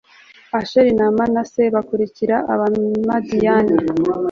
asheri na manase, bakurikirana abamadiyani